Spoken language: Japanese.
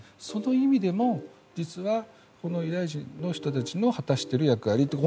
その意味でも、実はこのユダヤ人の人たちの果たしている役割